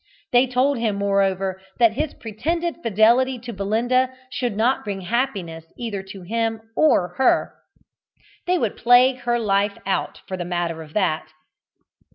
They told him, moreover, that his pretended fidelity to Belinda should not bring happiness either to him or her. They would plague her life out, for the matter of that.